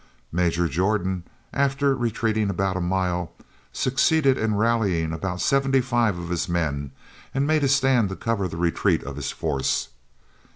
Major Jordan, after retreating about a mile, succeeded in rallying about seventy five of his men, and made a stand to cover the retreat of his force.